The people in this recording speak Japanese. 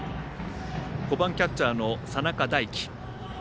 ５番キャッチャーの佐仲大輝。